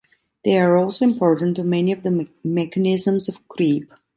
They are also important to many of the mechanisms of creep.